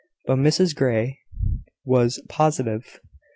But Mrs Grey was positive.